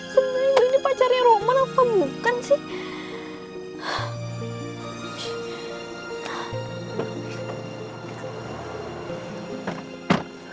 sebenernya ini pacarnya roman apa bukan sih